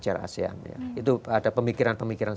sejarah asean itu ada pemikiran pemikiran